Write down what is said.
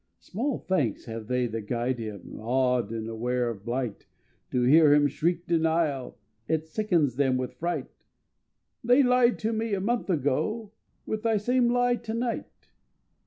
Small thanks have they that guide him, Awed and aware of blight; To hear him shriek denial It sickens them with fright: "They lied to me a month ago With thy same lie to night!"